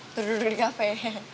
duduk duduk di kafe